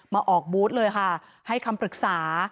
มาออกบูธเลยค่ะให้คำปรึกษา